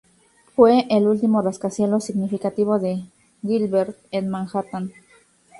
Fue el último rascacielos significativo de Gilbert, en Manhattan.